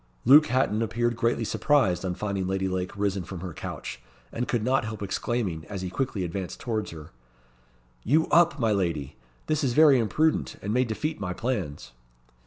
Luke Hatton appeared greatly surprised on finding Lady Lake risen from her couch, and could not help exclaiming, as he quickly advanced towards her "You up, my lady! This is very imprudent, and may defeat my plans."